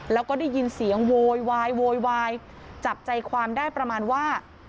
แล้วก็ได้ยินเสียงโวยวายโวยวายจับใจความได้ประมาณว่า